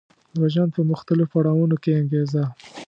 د ژوند په مختلفو پړاوونو کې انګېزه